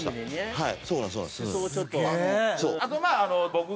はい。